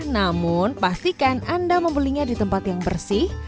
namun pastikan anda membelinya di tempat yang bersih